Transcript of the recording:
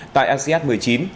tại asean một mươi chín